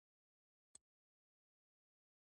په میدان کې مې له رئیس احمدالله فیضي سره چای وخوړل.